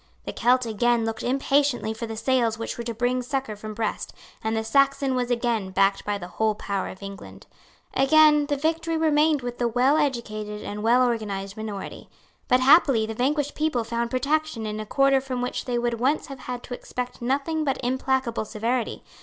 The Celt again looked impatiently for the sails which were to bring succour from Brest; and the Saxon was again backed by the whole power of England. Again the victory remained with the well educated and well organized minority. But, happily, the vanquished people found protection in a quarter from which they would once have had to expect nothing but implacable severity.